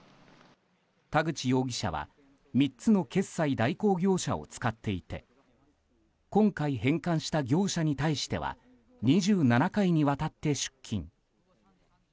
田口容疑者は３つの決済代行業者を使っていて今回、返還した業者に対しては２７回にわたって出金。